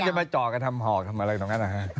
แล้วมันจะมาจอกทำหอกอะไรตรงนั้น